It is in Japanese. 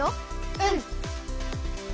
うん。